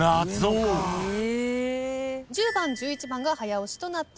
１０番１１番が早押しとなっております。